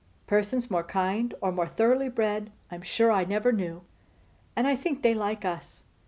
Persons more kind, or more thoroughly bred, I am sure I never knew. And I think they like us.